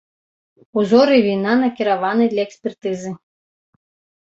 Узоры віна накіраваны для экспертызы.